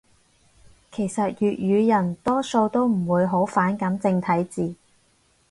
其實粵語人多數都唔會好反感正體字